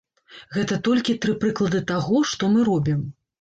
Гэта толькі тры прыклады таго, што мы робім.